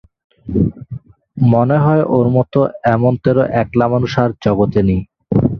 মনে হয় ওর মতো এমনতরো একলা মানুষ আর জগতে নেই।